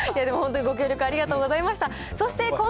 本当にご協力ありがとうございました。